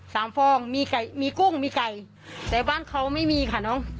ฟองมีไก่มีกุ้งมีไก่แต่บ้านเขาไม่มีค่ะน้อง